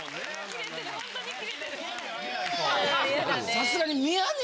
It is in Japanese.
さすがに。